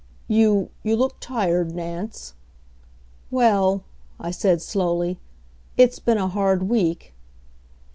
"You you look tired, Nance." "Well," I said slowly, "it's been a hard week."